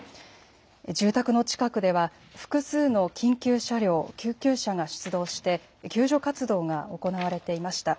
住宅の近くでは、複数の緊急車両、救急車が出動して、救助活動が行われていました。